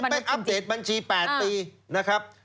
อัปเดตบัญชี๘ปีนะครับ